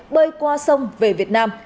bơi qua sông về việt nam